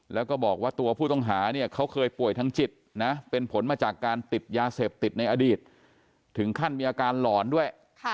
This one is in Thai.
แล้วก็บอกว่าตัวผู้ต้องหาเนี่ยเขาเคยป่วยทางจิตนะเป็นผลมาจากการติดยาเสพติดในอดีตถึงขั้นมีอาการหลอนด้วย